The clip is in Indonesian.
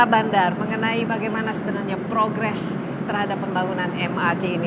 kmp sabandar mengenai bagaimana sebenarnya progres terhadap pembangunan mag ini